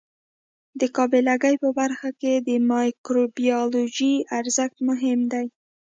د قابله ګۍ په برخه کې د مایکروبیولوژي ارزښت مهم دی.